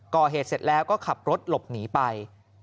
ก่อเหตุเสร็จแล้วก็ขับรถหลบหนีไป